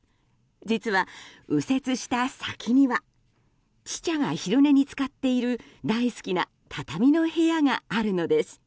実は、右折した先にはチチャが昼寝に使っている大好きな畳の部屋があるのです。